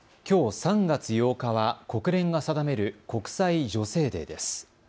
きょう３月８日は国連が定める国際女性デーです。